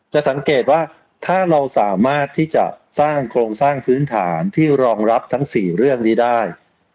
จะสังเกตว่าถ้าเราสามารถที่จะสร้างโครงสร้างพื้นฐานที่รองรับทั้ง๔เรื่องนี้ได้